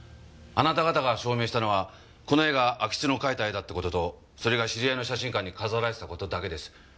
あなた方が証明したのはこの絵が安芸津の描いた絵だって事とそれが知り合いの写真館に飾られてた事だけです。